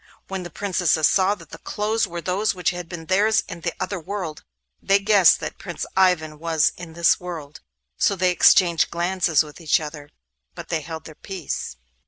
When the Princesses saw that the clothes were those which had been theirs in the other world, they guessed that Prince Ivan was in this world, so they exchanged glances with each other, but they held their peace.